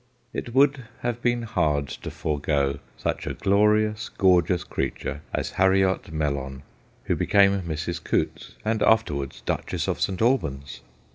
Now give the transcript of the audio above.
It would have been hard to forego such a glorious, gorgeous creature as Harriot Mellon, who became Mrs. Coutts, and after wards Duchess of St. Albans.